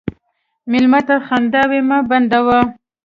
مېلمه ته خنداوې مه بندوه.